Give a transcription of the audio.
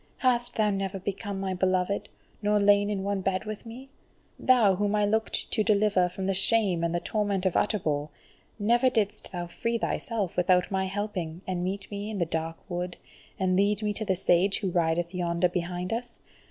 hast thou never become my beloved, nor lain in one bed with me? Thou whom I looked to deliver from the shame and the torment of Utterbol, never didst thou free thyself without my helping, and meet me in the dark wood, and lead me to the Sage who rideth yonder behind us!